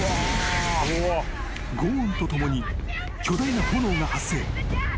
［ごう音とともに巨大な炎が発生］